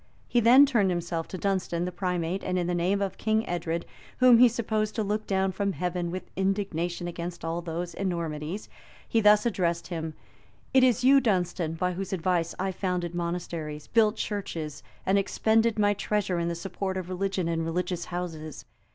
He then turned himself to Dunstan, the primate; and in the name of King Edred, whom he supposed to look down from heaven with indignation against all those enormities, he thus addressed him: "It is you, Dunstan, by whose advice I founded monasteries, built churches, and expended my treasure in the support of religion and religious houses.